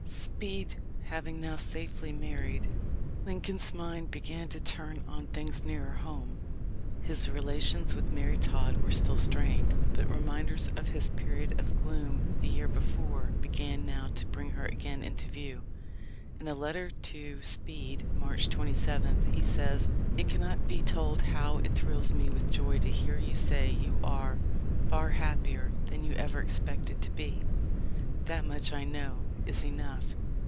Speed having now safely married, Lincoln's mind hegan to turn on things nearer home. His rela tions with Mary Todd were still strained, but re minders of his period of gloom the year before began now to bring her again into view. In a letter to Speed, March 27, he says: "It cannot be told how it thrills me with joy to hear you say you are 'far happier than you ever expected to be.' That much, I know, is enough.